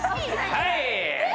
はい。